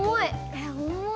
えっ重い。